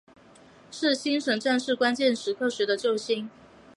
是星神战士关键时刻时的救星。